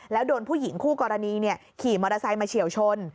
แล้วโดนผู้หญิงคู่กรณีขี่มอเตอร์ไซค์มาเฉียวชน